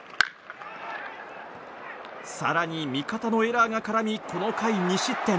更に、味方のエラーが絡みこの回、２失点。